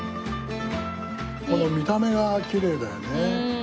この見た目がきれいだよね。